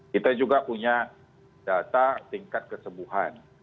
kita juga punya data tingkat kesembuhan